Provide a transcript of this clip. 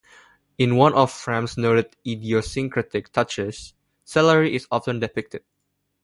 In one of Frahm's noted idiosyncratic touches, celery is often depicted.